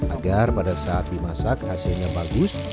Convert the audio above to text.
agar pada saat dimasak hasilnya bagus